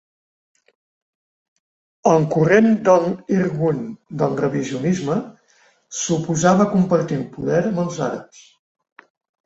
La corrent del Irgun del revisionisme s'oposava a compartir el poder amb els àrabs.